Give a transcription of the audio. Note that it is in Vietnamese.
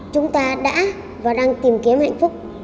chúng ta đã và đang tìm kiếm hạnh phúc